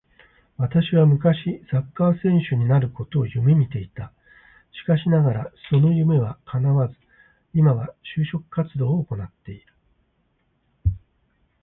私は昔サッカー選手になることを夢見ていた。しかしながらその夢は叶わず、今は就職活動を行ってる。